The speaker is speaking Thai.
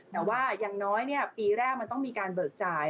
แต่ว่าอย่างน้อยปีแรกมันต้องมีการเบิกจ่าย